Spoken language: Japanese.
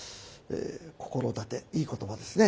「心立て」いい言葉ですね。